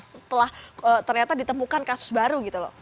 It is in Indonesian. setelah ternyata ditemukan kasus baru gitu loh